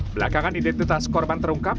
belakangan identitas korban terungkap